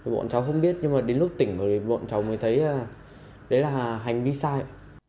bọn cháu không biết nhưng mà đến lúc tỉnh bọn cháu mới thấy đấy là hành vi sai